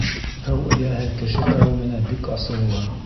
Һыу эйәһе кеше ҡәүеменә бик асыулы.